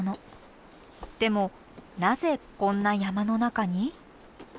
でもなぜこんな山の中に？